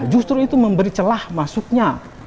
justru itu memberi celah masuknya